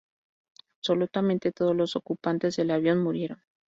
Absolutamente todos los ocupantes del avión murieron.